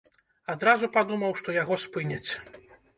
Адразу падумаў, што яго спыняць.